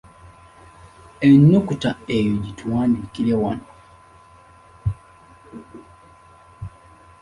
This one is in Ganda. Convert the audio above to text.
Ennukuta eyo gituwandiikire wano.